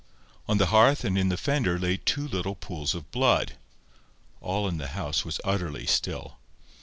On the hearth and in the fender lay two little pools of blood. All in the house was utterly still.